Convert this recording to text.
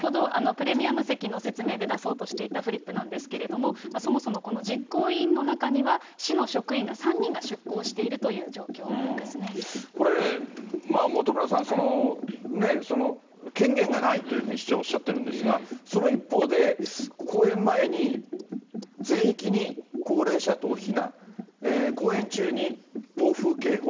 プレミアム席の説明で出そうとしていたフリップなんですけれども、そもそもこの実行委員の中には市の職員が３人が出向しているといこれ、本村さん、権限がないというふうに市長、おっしゃってるんですが、その一方で、公演前に、全域に高齢者等避難、公演中に暴風警報。